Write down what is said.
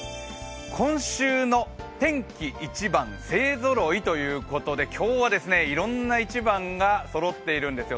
今週の天気一番勢ぞろいということで、今日はいろんな一番がそろっているんですよ。